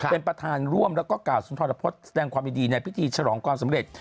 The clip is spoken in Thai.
เป็นประธานร่วมแล้วก็กล่าวสุนทรพฤษแสดงความยินดีในพิธีฉลองความสำเร็จ